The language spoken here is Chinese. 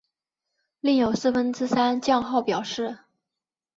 另有四分之三降号表示。